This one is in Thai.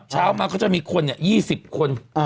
เช้ามาก็จะมีคน๒๐คน